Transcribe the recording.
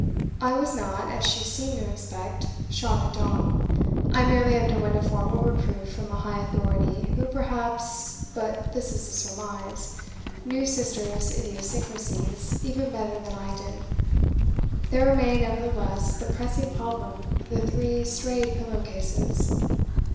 I was not as she seemed to expect shot at dawn. I merely underwent a formal reproof from a high authority who perhaps (but this is a surmise) knew Sister's idiosyncrasies even better than I did. There remained, nevertheless, the pressing problem of the three strayed pillow cases.